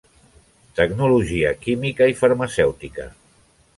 Tecnologia química i farmacèutica.